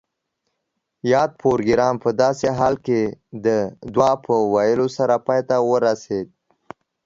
یاد پروګرام پۀ داسې حال کې د دعا پۀ ویلو سره پای ته ورسید